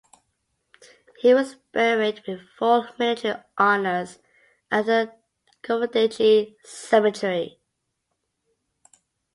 He was buried with full military honors at the Novodevichy Cemetery.